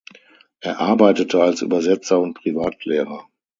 Er arbeitete als Übersetzer und Privatlehrer.